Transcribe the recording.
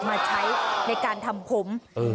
มาใช้ในการทำผม